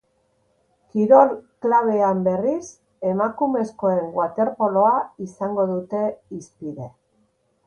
Kirol klabean, berriz, emakumezkoen waterpoloa izango dute hizpide.